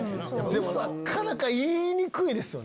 でもなかなか言いにくいですよね。